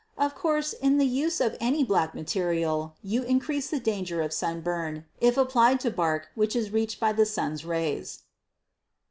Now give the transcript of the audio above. Of course, in the use of any black material, you increase the danger of sunburn, if applied to bark which is reached by the sun's rays.